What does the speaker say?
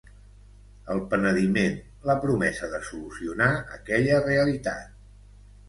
El penediment, la promesa de solucionar aquella realitat.